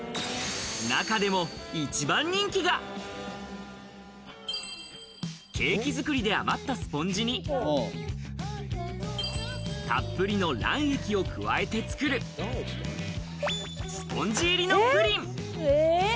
中でも一番人気が、ケーキ作りで余ったスポンジに、たっぷりの卵液を加えて作る、スポンジ入りのプリン。